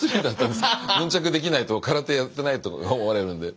ヌンチャクできないと空手やってないと思われるんで。